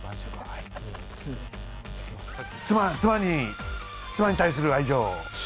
妻に妻に対する愛情。